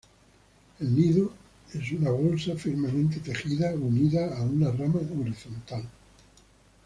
El nido es una bolsa firmemente tejida unida a una rama horizontal.